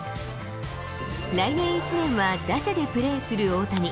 来年１年は打者でプレーする大谷。